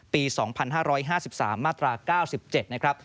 ปี๒๕๕๓มาตรา๙๗นะครับ